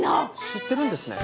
知ってるんですね？